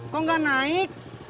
kok gak naik